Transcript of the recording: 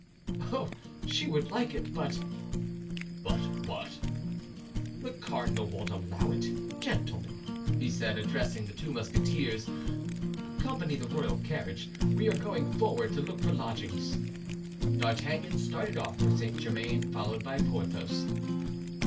"Oh, she would like it, but——" "But what?" "The cardinal won't allow it. Gentlemen," he said, addressing the two musketeers, "accompany the royal carriage, we are going forward to look for lodgings." D'Artagnan started off for Saint Germain, followed by Porthos.